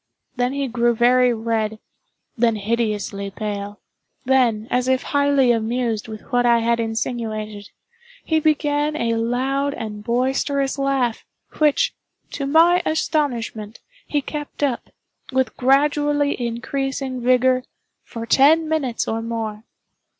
Then he grew very red—then hideously pale—then, as if highly amused with what I had insinuated, he began a loud and boisterous laugh, which, to my astonishment, he kept up, with gradually increasing vigor, for ten minutes or more.